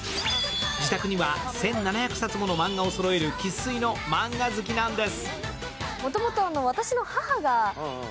自宅には１７００冊ものマンガをそろえる生粋のマンガ好きなんです。